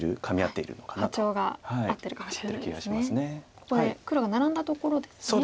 ここで黒がナラんだところですね。